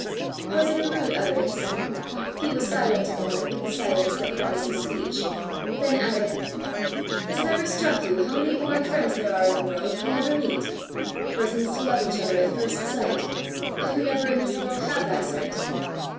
Was it a rude utterance? He was silent a moment with the silence that promises speech, then added "Has it ever struck you how many born friends there are in the world who never meet persons to love each other at first sight, but who never in this world have that sight?"